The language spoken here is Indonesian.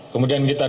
kemudian kita dapat